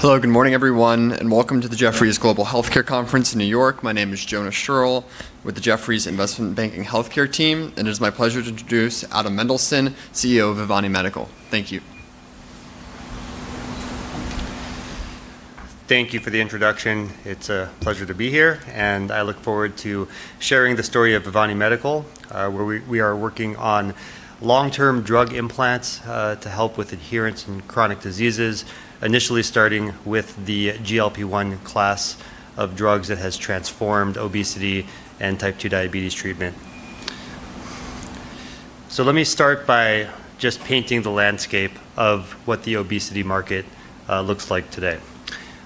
Hello. Good morning, everyone, and welcome to the Jefferies Global Healthcare Conference in New York. My name is Jonah Scherl with the Jefferies Investment Banking Healthcare team, and it is my pleasure to introduce Adam Mendelsohn, CEO of Vivani Medical. Thank you. Thank you for the introduction. It's a pleasure to be here, and I look forward to sharing the story of Vivani Medical, where we are working on long-term drug implants to help with adherence in chronic diseases. Initially, starting with the GLP-1 class of drugs that has transformed obesity and type 2 diabetes treatment. Let me start by just painting the landscape of what the obesity market looks like today.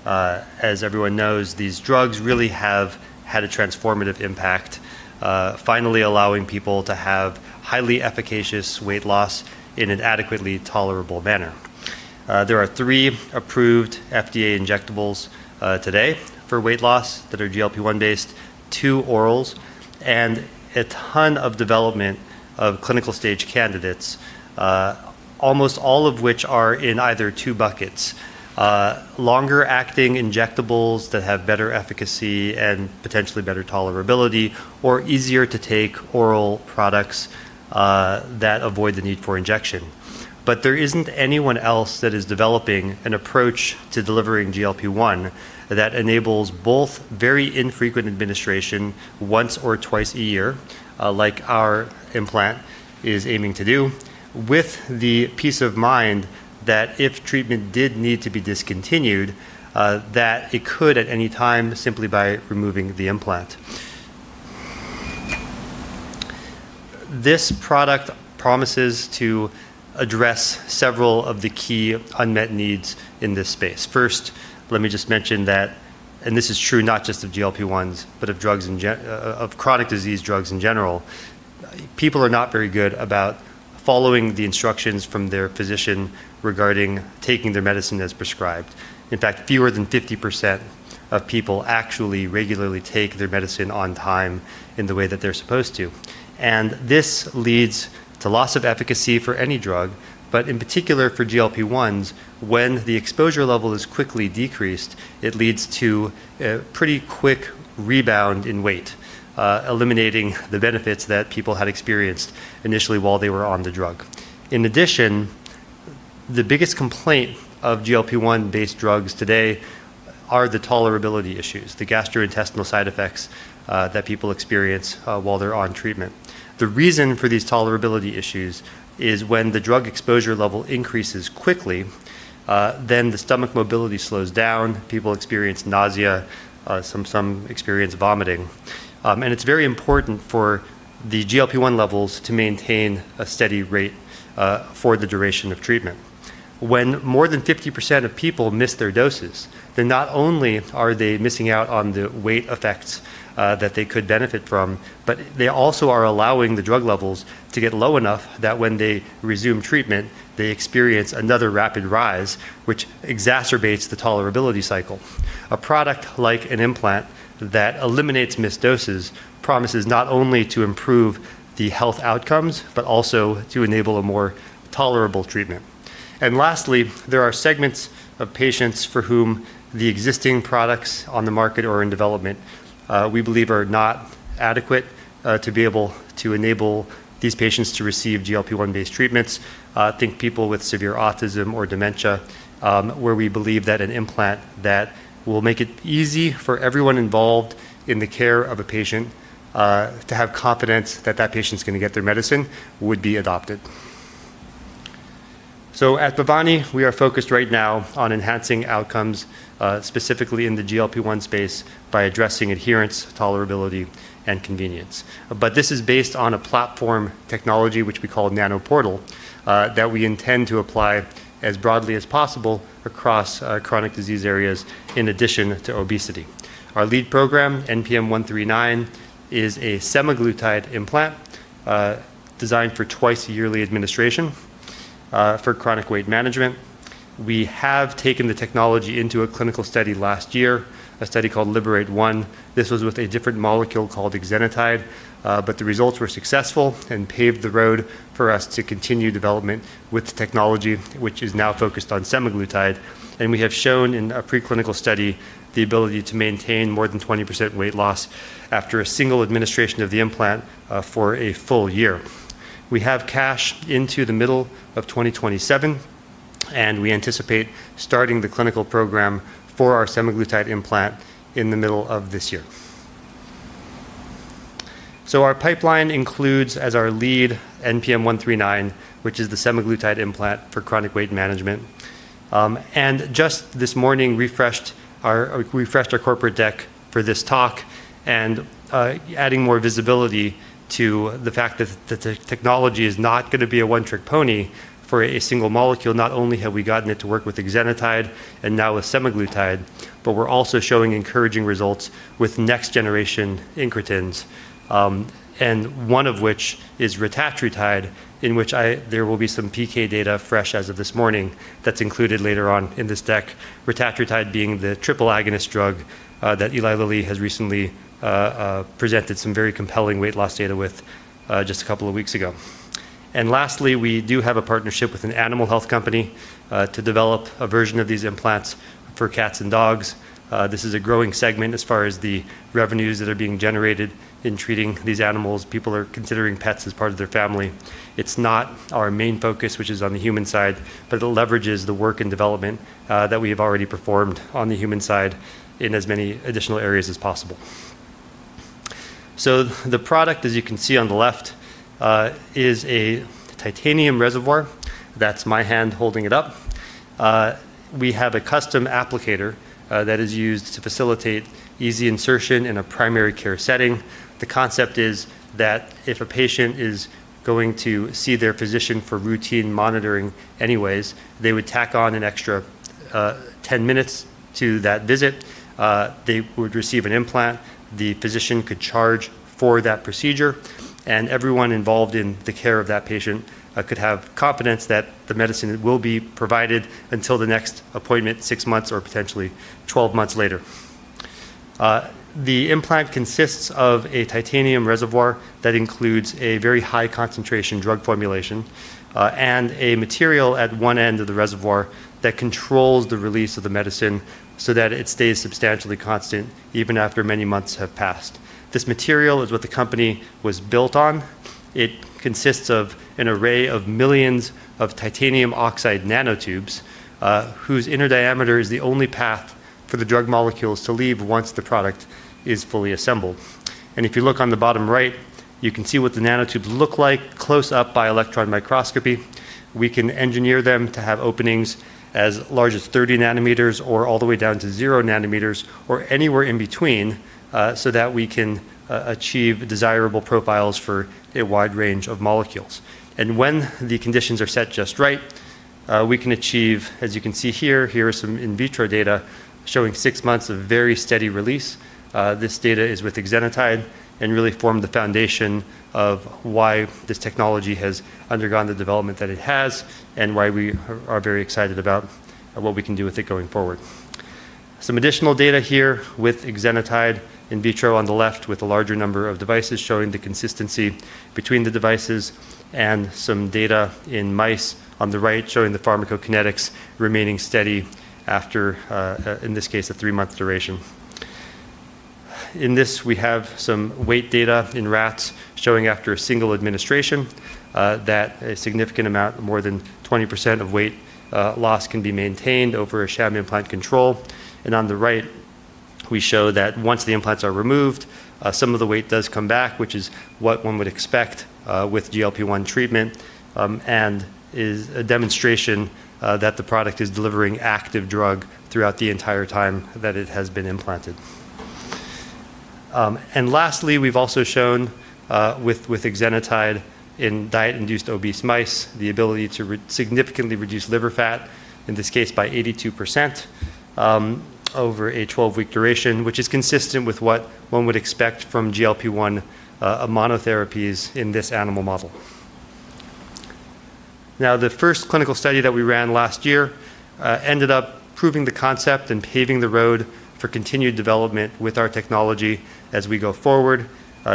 As everyone knows, these drugs really have had a transformative impact, finally allowing people to have highly efficacious weight loss in an adequately tolerable manner. There are three approved FDA injectables today for weight loss that are GLP-1 based, two orals, and a ton of development of clinical stage candidates. Almost all of which are in either two buckets. Longer acting injectables that have better efficacy and potentially better tolerability or easier to take oral products that avoid the need for injection. There isn't anyone else that is developing an approach to delivering GLP-1 that enables both very infrequent administration once or twice a year, like our implant is aiming to do, with the peace of mind that if treatment did need to be discontinued, that it could at any time simply by removing the implant. This product promises to address several of the key unmet needs in this space. First, let me just mention that, and this is true not just of GLP-1s, but of chronic disease drugs in general. People are not very good about following the instructions from their physician regarding taking their medicine as prescribed. In fact, fewer than 50% of people actually regularly take their medicine on time in the way that they're supposed to. This leads to loss of efficacy for any drug, but in particular for GLP-1s, when the exposure level is quickly decreased, it leads to a pretty quick rebound in weight, eliminating the benefits that people had experienced initially while they were on the drug. In addition, the biggest complaint of GLP-1 based drugs today are the tolerability issues, the gastrointestinal side effects that people experience while they're on treatment. The reason for these tolerability issues is when the drug exposure level increases quickly, then the stomach motility slows down. People experience nausea, some experience vomiting. It's very important for the GLP-1 levels to maintain a steady rate for the duration of treatment. When more than 50% of people miss their doses, then not only are they missing out on the weight effects that they could benefit from, but they also are allowing the drug levels to get low enough that when they resume treatment, they experience another rapid rise, which exacerbates the tolerability cycle. A product like an implant that eliminates missed doses promises not only to improve the health outcomes, but also to enable a more tolerable treatment. Lastly, there are segments of patients for whom the existing products on the market or in development, we believe are not adequate, to be able to enable these patients to receive GLP-1 based treatments. Think people with severe autism or dementia, where we believe that an implant that will make it easy for everyone involved in the care of a patient to have confidence that that patient's going to get their medicine would be adopted. At Vivani, we are focused right now on enhancing outcomes, specifically in the GLP-1 space by addressing adherence, tolerability and convenience. This is based on a platform technology which we call NanoPortal, that we intend to apply as broadly as possible across chronic disease areas in addition to obesity. Our lead program, NPM-139, is a semaglutide implant, designed for twice yearly administration for chronic weight management. We have taken the technology into a clinical study last year, a study called LIBERATE-1. This was with a different molecule called exenatide. The results were successful and paved the road for us to continue development with the technology, which is now focused on semaglutide. We have shown in a pre-clinical study the ability to maintain more than 20% weight loss after a single administration of the implant for a full year. We have cash into the middle of 2027, and we anticipate starting the clinical program for our semaglutide implant in the middle of this year. Our pipeline includes as our lead NPM-139, which is the semaglutide implant for chronic weight management. Just this morning refreshed our corporate deck for this talk and adding more visibility to the fact that the technology is not going to be a one trick pony for a single molecule. Not only have we gotten it to work with exenatide and now with semaglutide, but we're also showing encouraging results with next generation incretins. One of which is retatrutide, in which there will be some PK data fresh as of this morning that's included later on in this deck. Retatrutide being the triple agonist drug that Eli Lilly has recently presented some very compelling weight loss data with just a couple of weeks ago. Lastly, we do have a partnership with an animal health company to develop a version of these implants for cats and dogs. This is a growing segment as far as the revenues that are being generated in treating these animals. People are considering pets as part of their family. It's not our main focus, which is on the human side, but it leverages the work and development that we have already performed on the human side in as many additional areas as possible. The product, as you can see on the left, is a titanium reservoir. That's my hand holding it up. We have a custom applicator that is used to facilitate easy insertion in a primary care setting. The concept is that if a patient is going to see their physician for routine monitoring anyways, they would tack on an extra 10 minutes to that visit. They would receive an implant, the physician could charge for that procedure, and everyone involved in the care of that patient could have confidence that the medicine will be provided until the next appointment, six months or potentially 12 months later. The implant consists of a titanium reservoir that includes a very high concentration drug formulation and a material at one end of the reservoir that controls the release of the medicine so that it stays substantially constant, even after many months have passed. This material is what the company was built on. It consists of an array of millions of titanium oxide nanotubes, whose inner diameter is the only path for the drug molecules to leave once the product is fully assembled. If you look on the bottom right, you can see what the nanotubes look like close up by electron microscopy. We can engineer them to have openings as large as 30 nm or all the way down to 0 nm or anywhere in between so that we can achieve desirable profiles for a wide range of molecules. When the conditions are set just right, we can achieve, as you can see here are some in vitro data showing six months of very steady release. This data is with exenatide and really formed the foundation of why this technology has undergone the development that it has and why we are very excited about what we can do with it going forward. Some additional data here with exenatide in vitro on the left with a larger number of devices showing the consistency between the devices and some data in mice on the right showing the pharmacokinetics remaining steady after, in this case, a three month duration. In this, we have some weight data in rats showing after a single administration that a significant amount, more than 20% of weight loss, can be maintained over a sham implant control. On the right, we show that once the implants are removed, some of the weight does come back, which is what one would expect with GLP-1 treatment and is a demonstration that the product is delivering active drug throughout the entire time that it has been implanted. Lastly, we've also shown with exenatide in diet-induced obese mice, the ability to significantly reduce liver fat, in this case by 82%, over a 12-week duration, which is consistent with what one would expect from GLP-1 monotherapies in this animal model. The first clinical study that we ran last year ended up proving the concept and paving the road for continued development with our technology as we go forward.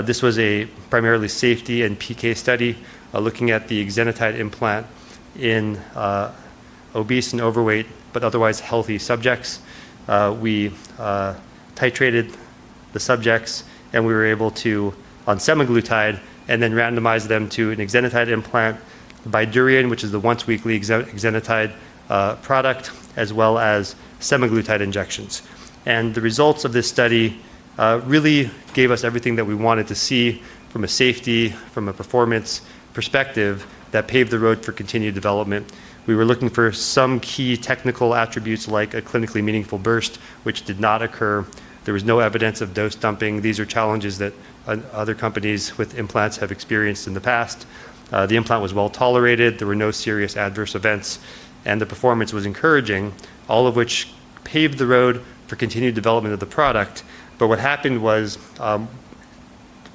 This was a primarily safety and PK study looking at the exenatide implant in obese and overweight but otherwise healthy subjects. We titrated the subjects and we were able to on semaglutide and then randomized them to an exenatide implant, Bydureon, which is the once weekly exenatide product, as well as semaglutide injections. The results of this study really gave us everything that we wanted to see from a safety, from a performance perspective that paved the road for continued development. We were looking for some key technical attributes like a clinically meaningful burst, which did not occur. There was no evidence of dose dumping. These are challenges that other companies with implants have experienced in the past. The implant was well tolerated. There were no serious adverse events. The performance was encouraging, all of which paved the road for continued development of the product. What happened was,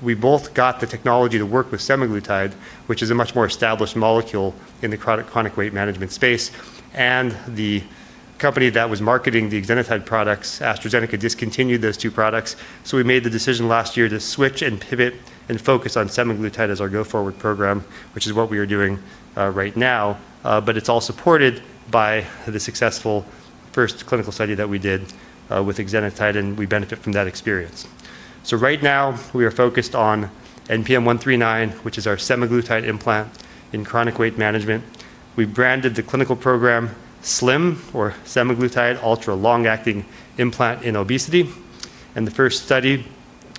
we both got the technology to work with semaglutide, which is a much more established molecule in the chronic weight management space. The company that was marketing the exenatide products, AstraZeneca, discontinued those two products. We made the decision last year to switch and pivot and focus on semaglutide as our go forward program, which is what we are doing right now. It's all supported by the successful first clinical study that we did with exenatide, and we benefit from that experience. Right now, we are focused on NPM-139, which is our semaglutide implant in chronic weight management. We've branded the clinical program SLIM or Semaglutide Ultra Long-acting Implant in obesity. The first study,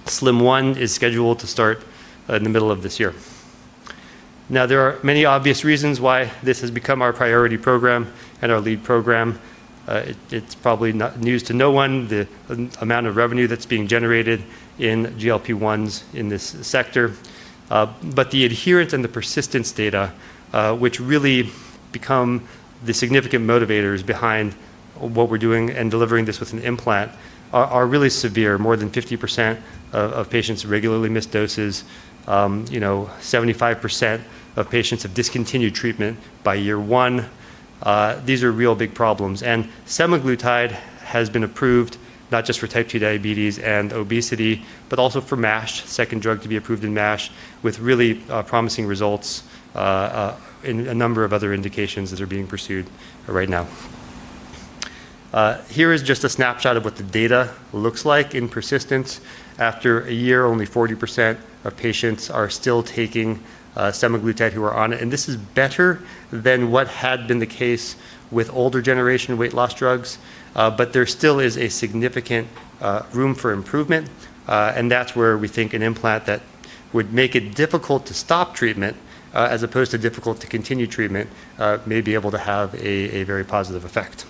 SLIM-1, is scheduled to start in the middle of this year. There are many obvious reasons why this has become our priority program and our lead program. It's probably news to no one the amount of revenue that's being generated in GLP-1s in this sector. The adherence and the persistence data, which really become the significant motivators behind what we're doing and delivering this with an implant, are really severe. More than 50% of patients regularly miss doses. 75% of patients have discontinued treatment by year one. These are real big problems. Semaglutide has been approved not just for type 2 diabetes and obesity, but also for MASH, second drug to be approved in MASH, with really promising results in a number of other indications that are being pursued right now. Here is just a snapshot of what the data looks like in persistence. After a year, only 40% of patients are still taking semaglutide who are on it. This is better than what had been the case with older generation weight loss drugs. There still is a significant room for improvement, and that's where we think an implant that would make it difficult to stop treatment, as opposed to difficult to continue treatment, may be able to have a very positive effect.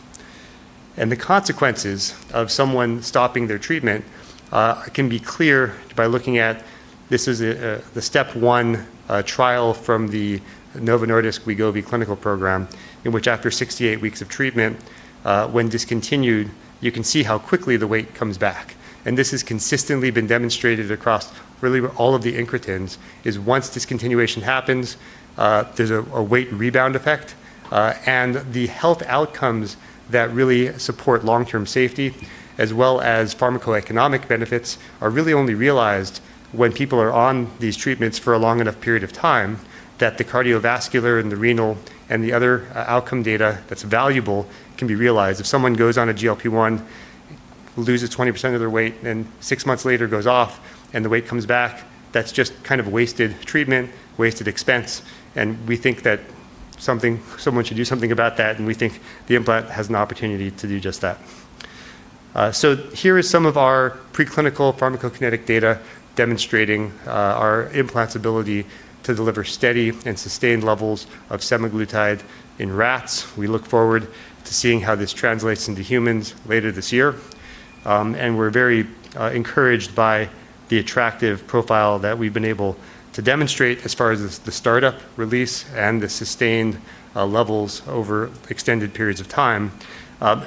The consequences of someone stopping their treatment can be clear by looking at This is the STEP 1 trial from the Novo Nordisk Wegovy clinical program, in which after 68 weeks of treatment, when discontinued, you can see how quickly the weight comes back. This has consistently been demonstrated across really all of the incretins, is once discontinuation happens, there's a weight rebound effect. The health outcomes that really support long-term safety as well as pharmacoeconomic benefits, are really only realized when people are on these treatments for a long enough period of time that the cardiovascular and the renal and the other outcome data that's valuable can be realized. If someone goes on a GLP-1, loses 20% of their weight, then six months later goes off and the weight comes back, that's just wasted treatment, wasted expense, and we think that someone should do something about that, and we think the implant has an opportunity to do just that. Here is some of our pre-clinical pharmacokinetic data demonstrating our implant's ability to deliver steady and sustained levels of semaglutide in rats. We look forward to seeing how this translates into humans later this year. We're very encouraged by the attractive profile that we've been able to demonstrate as far as the startup release and the sustained levels over extended periods of time.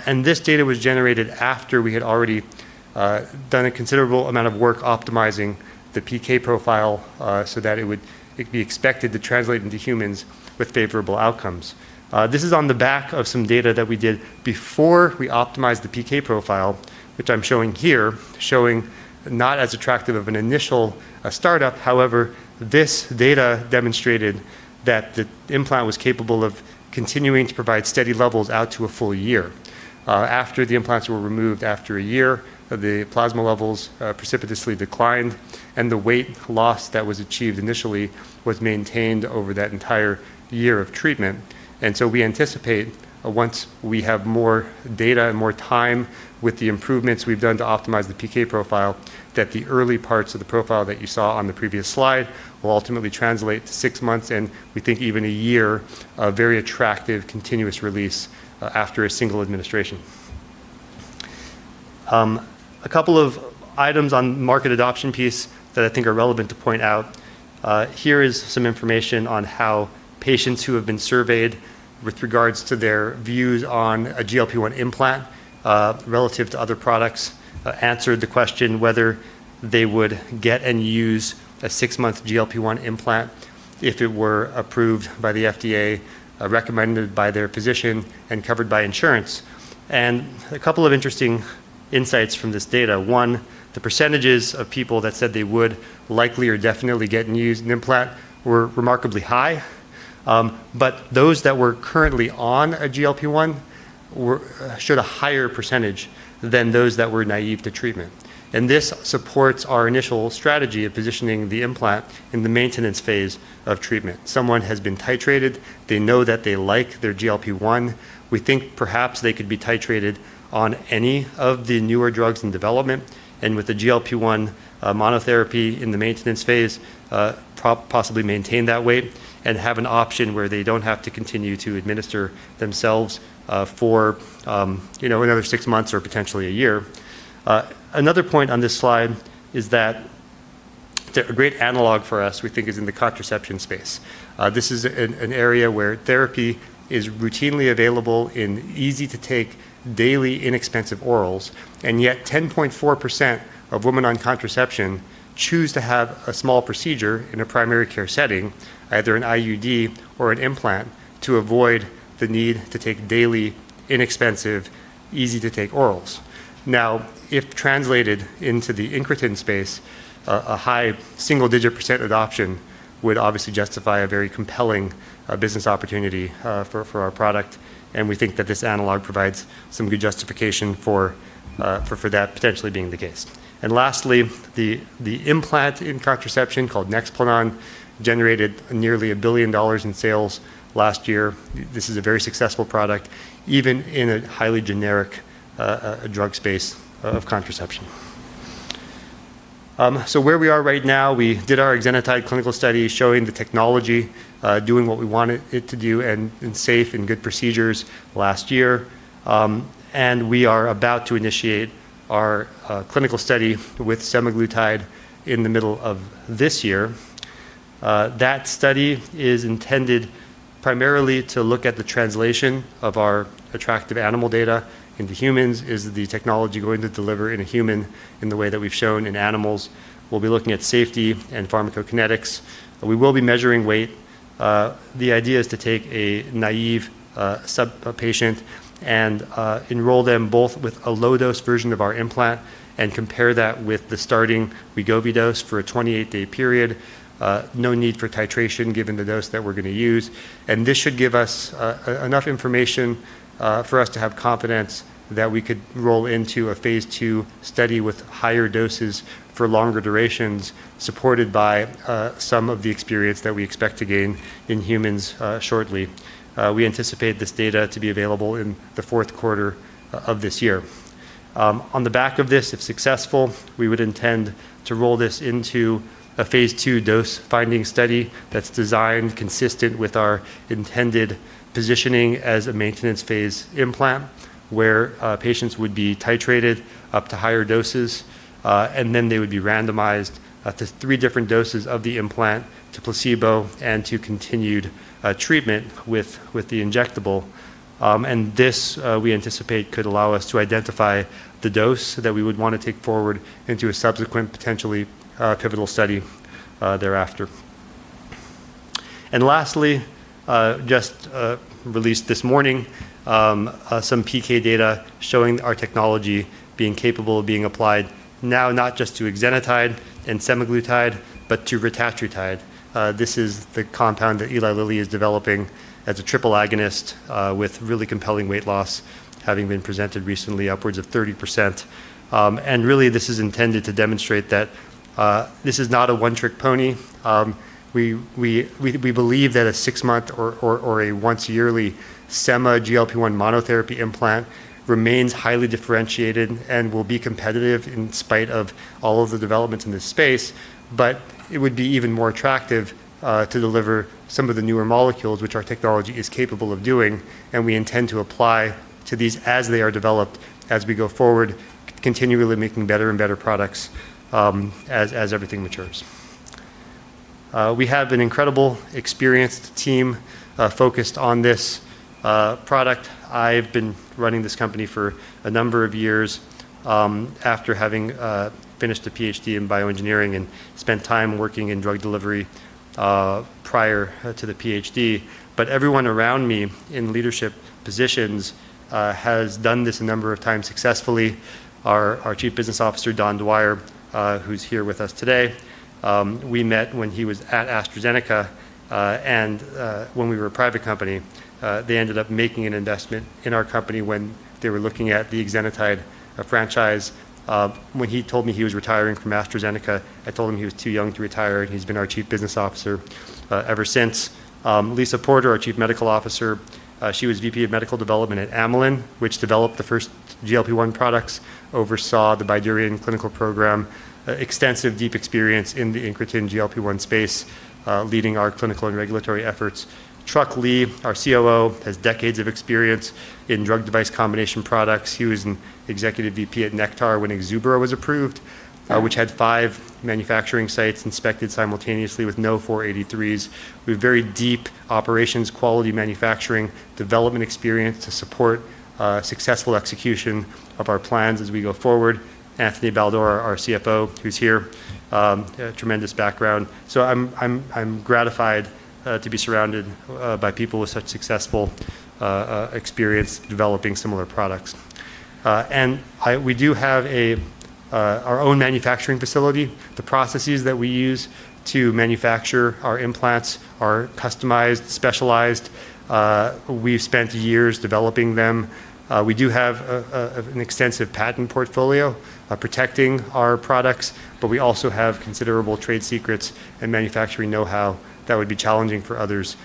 This data was generated after we had already done a considerable amount of work optimizing the PK profile so that it would be expected to translate into humans with favorable outcomes. This is on the back of some data that we did before we optimized the PK profile, which I'm showing here, showing not as attractive of an initial startup. However, this data demonstrated that the implant was capable of continuing to provide steady levels out to a full year. After the implants were removed after a year, the plasma levels precipitously declined, and the weight loss that was achieved initially was maintained over that entire year of treatment. We anticipate, once we have more data and more time with the improvements we've done to optimize the PK profile, that the early parts of the profile that you saw on the previous slide will ultimately translate to six months, and we think even 1 year, a very attractive continuous release after a single administration. A couple of items on market adoption piece that I think are relevant to point out. Here is some information on how patients who have been surveyed with regards to their views on a GLP-1 implant, relative to other products, answered the question whether they would get and use a six-month GLP-1 implant if it were approved by the FDA, recommended by their physician, and covered by insurance. A couple of interesting insights from this data. One, the percentages of people that said they would likely or definitely get and use an implant were remarkably high. Those that were currently on a GLP-1 showed a higher percentage than those that were naive to treatment. This supports our initial strategy of positioning the implant in the maintenance phase of treatment. Someone has been titrated. They know that they like their GLP-1. We think perhaps they could be titrated on any of the newer drugs in development. With the GLP-1 monotherapy in the maintenance phase, possibly maintain that weight and have an option where they don't have to continue to administer themselves for another six months or potentially 1 year. Another point on this slide is that a great analog for us, we think, is in the contraception space. This is an area where therapy is routinely available in easy to take daily inexpensive orals, yet 10.4% of women on contraception choose to have a small procedure in a primary care setting, either an IUD or an implant, to avoid the need to take daily inexpensive, easy to take orals. If translated into the incretin space, a high single digit % adoption would obviously justify a very compelling business opportunity for our product, we think that this analog provides some good justification for that potentially being the case. Lastly, the implant in contraception called NEXPLANON generated nearly $1 billion in sales last year. This is a very successful product, even in a highly generic drug space of contraception. Where we are right now, we did our exenatide clinical study showing the technology doing what we want it to do and safe and good procedures last year. We are about to initiate our clinical study with semaglutide in the middle of this year. That study is intended primarily to look at the translation of our attractive animal data into humans. Is the technology going to deliver in a human in the way that we've shown in animals? We'll be looking at safety and pharmacokinetics. We will be measuring weight. The idea is to take a naive sub-patient and enroll them both with a low-dose version of our implant and compare that with the starting Wegovy dose for a 28-day period. No need for titration given the dose that we're going to use. This should give us enough information for us to have confidence that we could roll into a phase II study with higher doses for longer durations, supported by some of the experience that we expect to gain in humans shortly. We anticipate this data to be available in the fourth quarter of this year. On the back of this, if successful, we would intend to roll this into a phase II dose-finding study that's designed consistent with our intended positioning as a maintenance phase implant, where patients would be titrated up to higher doses, and then they would be randomized to three different doses of the implant to placebo and to continued treatment with the injectable. This, we anticipate, could allow us to identify the dose that we would want to take forward into a subsequent, potentially pivotal study thereafter. Lastly, just released this morning, some PK data showing our technology being capable of being applied now not just to exenatide and semaglutide, but to retatrutide. This is the compound that Eli Lilly is developing as a triple agonist with really compelling weight loss, having been presented recently upwards of 30%. Really, this is intended to demonstrate that this is not a one-trick pony. We believe that a six-month or a once-yearly sema GLP-1 monotherapy implant remains highly differentiated and will be competitive in spite of all of the developments in this space. It would be even more attractive to deliver some of the newer molecules, which our technology is capable of doing, and we intend to apply to these as they are developed as we go forward, continually making better and better products as everything matures. We have an incredible, experienced team focused on this product. I've been running this company for a number of years after having finished a PhD in bioengineering and spent time working in drug delivery prior to the PhD. Everyone around me in leadership positions has done this a number of times successfully. Our Chief Business Officer, Don Dwyer, who's here with us today, we met when he was at AstraZeneca and when we were a private company. They ended up making an investment in our company when they were looking at the exenatide franchise. When he told me he was retiring from AstraZeneca, I told him he was too young to retire, and he's been our Chief Business Officer ever since. Lisa Porter, our Chief Medical Officer, she was VP of Medical Development at Amylin, which developed the first GLP-1 products, oversaw the Bydureon clinical program, extensive deep experience in the incretin GLP-1 space, leading our clinical and regulatory efforts. Truc Le, our COO, has decades of experience in drug-device combination products. He was an Executive VP at Nektar when Exubera was approved, which had five manufacturing sites inspected simultaneously with no 483s. We have very deep operations, quality manufacturing, development experience to support successful execution of our plans as we go forward. Anthony Baldor, our CFO, who's here, has a tremendous background. I'm gratified to be surrounded by people with such successful experience developing similar products. We do have our own manufacturing facility. The processes that we use to manufacture our implants are customized, specialized. We've spent years developing them. We do have an extensive patent portfolio protecting our products, but we also have considerable trade secrets and manufacturing know-how that would be challenging for others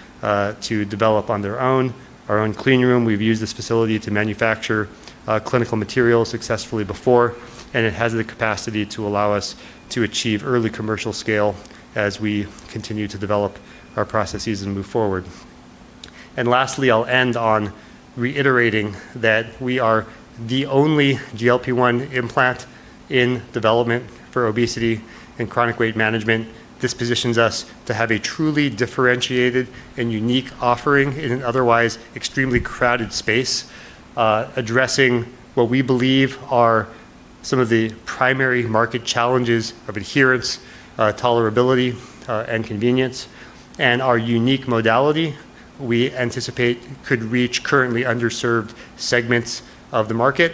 to develop on their own. Our own clean room, we've used this facility to manufacture clinical materials successfully before, and it has the capacity to allow us to achieve early commercial scale as we continue to develop our processes and move forward. Lastly, I'll end on reiterating that we are the only GLP-1 implant in development for obesity and chronic weight management. This positions us to have a truly differentiated and unique offering in an otherwise extremely crowded space, addressing what we believe are some of the primary market challenges of adherence, tolerability, and convenience. Our unique modality, we anticipate, could reach currently underserved segments of the market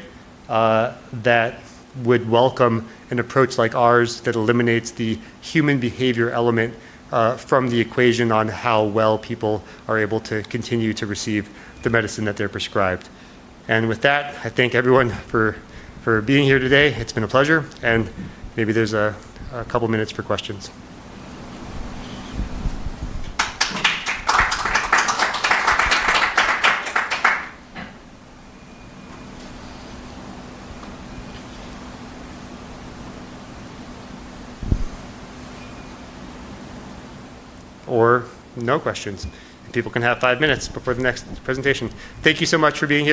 that would welcome an approach like ours that eliminates the human behavior element from the equation on how well people are able to continue to receive the medicine that they're prescribed. With that, I thank everyone for being here today. It's been a pleasure, and maybe there's a couple of minutes for questions. No questions, and people can have five minutes before the next presentation. Thank you so much for being here.